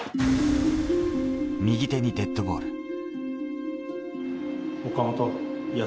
右手にデッドボール。